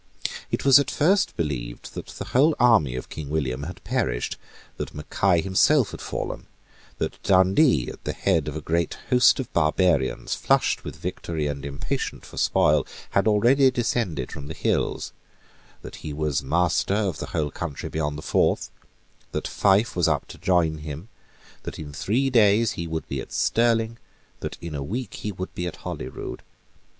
It was at first believed that the whole army of King William had perished; that Mackay himself had fallen; that Dundee, at the head of a great host of barbarians, flushed with victory and impatient for spoil, had already descended from the hills; that he was master of the whole country beyond the Forth; that Fife was up to join him; that in three days he would be at Stirling; that in a week he would be at Holyrood.